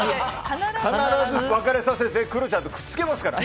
必ず別れさせてクロちゃんとくっつけますから。